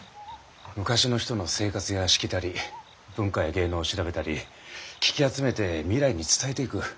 昔の人の生活やしきたり文化や芸能を調べたり聞き集めて未来に伝えていく。